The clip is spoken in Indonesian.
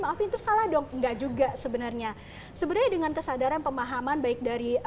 maafin itu salah dong enggak juga sebenarnya sebenarnya dengan kesadaran pemahaman baik dari